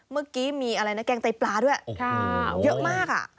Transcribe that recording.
เมื่อกี้มีอะไรนะแกงไตปลาด้วยเยอะมากอ่ะ